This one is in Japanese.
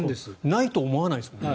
ないと思わないですもん。